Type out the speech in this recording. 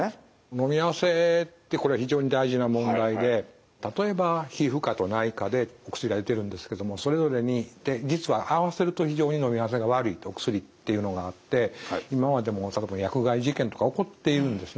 のみ合わせってこれ非常に大事な問題で例えば皮膚科と内科でお薬が出てるんですけどもそれぞれに実はあわせると非常にのみ合わせが悪いお薬っていうのがあって今までも例えば薬害事件とか起こっているんですね。